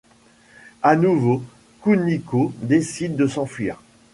À nouveau, Kuniko décide de s'enfuir.